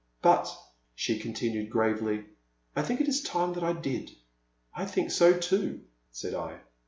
But, she continued, gravely, I think it is time that I did.*' I think so too,'* said I.